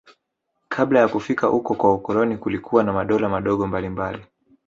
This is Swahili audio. Kabla ya kufika kwa ukoloni kulikuwa na madola madogo mbalimbali